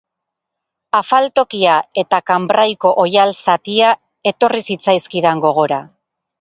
Afaltokia eta kanbraiko oihal-zatia etorri zitzaizkidan gogora.